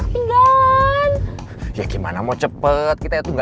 aku mau tahu memberesin favorit hati total kalau begini